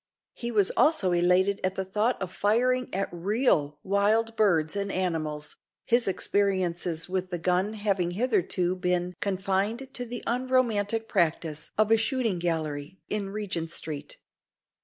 He was also elated at the thought of firing at real wild birds and animals his experiences with the gun having hitherto been confined to the unromantic practice of a shooting gallery in Regent Street.